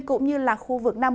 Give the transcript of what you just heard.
cũng như là khu vực nam